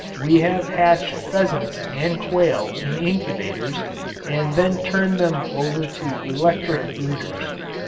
We have hatched pheasants and quail in incubators and then turned them over to electric brooders.